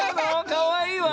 かわいいわ。